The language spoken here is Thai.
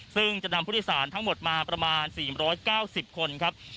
ซึ่งจะนำผู้โดยสารทั้งหมดมาประมาณ๔๙๐คนครับ